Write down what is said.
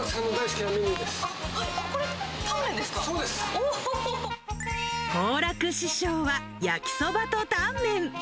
好楽師匠は、焼きそばとタンメン。